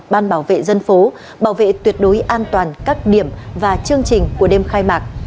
ban bảo vệ dân phố bảo vệ tuyệt đối an toàn các điểm và chương trình của đêm khai mạc